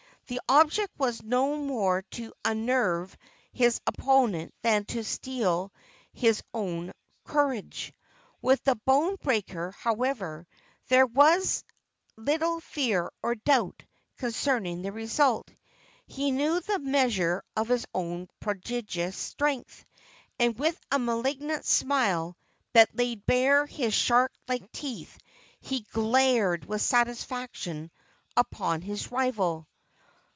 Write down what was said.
The object was not more to unnerve his opponent than to steel his own courage. With the bone breaker, however, there was little fear or doubt concerning the result. He knew the measure of his own prodigious strength, and, with a malignant smile that laid bare his shark like teeth, he glared with satisfaction upon his rival.